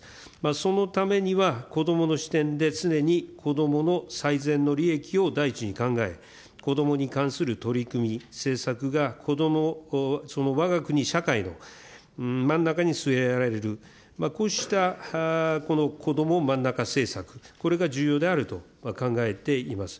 そのためには、子どもの視点で、常に子どもの最善の利益を第一に考え、子どもに関する取り組み、政策が子ども、わが国社会の真ん中に据えられる、こうしたこどもまんなか政策、これが重要であると考えています。